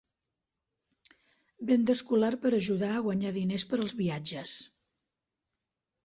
Venda escolar per ajudar a guanyar diners per als viatges.